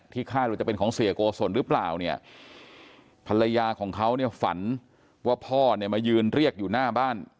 ที่ค่าจะเป็นของเสียโกศลหรือเปล่าภรรยาของเขาฝันว่าพ่อมายืนเรียกอยู่หน้าบ้าน